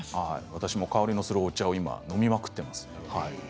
今、私も香りのするお茶を飲みまくっています。